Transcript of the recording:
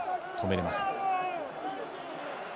止めれません。